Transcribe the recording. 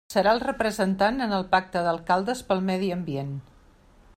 Serà el representant en el Pacte d'alcaldes pel Medi Ambient.